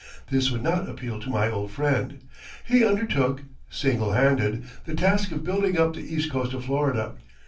This would not appeal to my old friend. He undertook, single handed, the task of building up the East Coast of Florida.